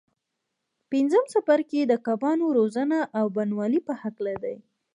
پنځم څپرکی د کبانو روزنه او بڼوالۍ په هکله دی.